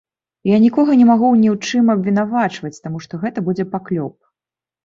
Я нікога не магу ні ў чым абвінавачваць, таму што гэта будзе паклёп.